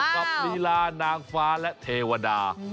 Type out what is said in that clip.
กับลีลานางฟ้าและเทวดา